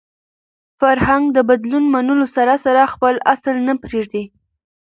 فرهنګ د بدلون منلو سره سره خپل اصل نه پرېږدي.